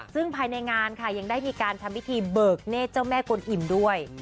ซึ่งภายในงานค่ะยังได้มีการทำพิธีเบิกเนธเจ้าแม่กวนอิ่มด้วย